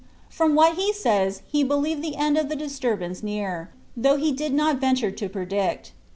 From what he says he believed the end of the disturbance near, though he did not venture to predict.